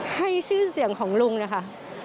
ให้ชื่อเสียงของลุงนะคะ